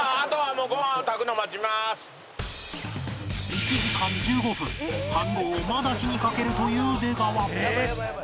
１時間１５分飯ごうをまだ火にかけるという出川